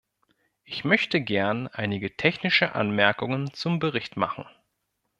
Ich möchte gern einige technische Anmerkungen zum Bericht machen.